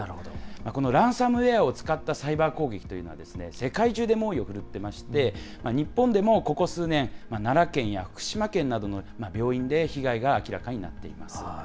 このランサムウエアを使ったサイバー攻撃というのは、世界中で猛威を振るってまして、日本でもここ数年、奈良県や福島県などの病院で被害が明らかになっています。